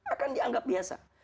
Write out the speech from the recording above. akan dianggap biasa